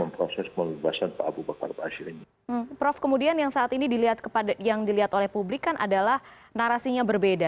prof kemudian yang saat ini dilihat oleh publik kan adalah narasinya berbeda